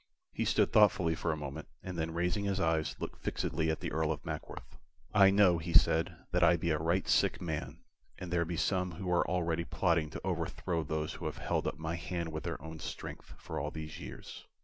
He stood thoughtfully for a moment, and then raising his eyes, looked fixedly at the Earl of Mackworth. "I know," he said, "that I be a right sick man, and there be some who are already plotting to overthrow those who have held up my hand with their own strength for all these years."